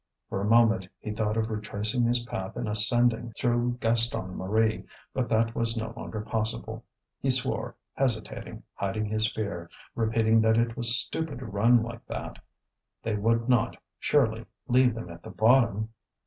For a moment he thought of retracing his path and ascending through Gaston Marie, but that was no longer possible. He swore, hesitating, hiding his fear, repeating that it was stupid to run like that. They would not, surely, leave them at the bottom.